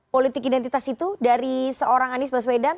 politik identitas itu dari seorang anies baswedan